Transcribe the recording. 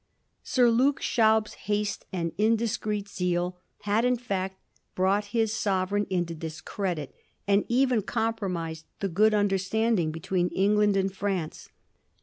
Sir Luke Schaub's haste and indiscreet zeal had, in fact, brought his sovereign into discredit, and even compromised the good under standing between England and France.